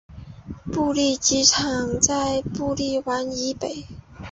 布利机场在布利湾以北。